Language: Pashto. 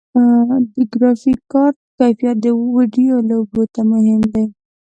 د ګرافیک کارت کیفیت د ویډیو لوبو ته مهم دی.